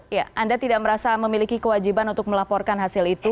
ya anda tidak merasa memiliki kewajiban untuk melaporkan hasil itu